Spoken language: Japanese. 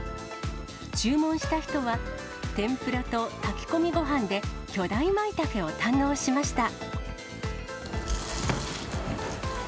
注文した人は、天ぷらと炊き込みごはんで、巨大まいたけを堪能しました。